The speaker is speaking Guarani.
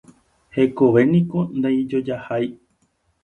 Hekovéniko ndaijojahái.